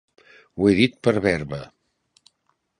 Ho he dit per verba.